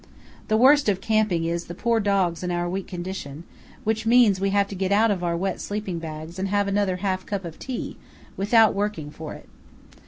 The worst of camping is the poor dogs and our weak condition, which means we have to get out of our wet sleeping bags and have another half cup of tea without working for it.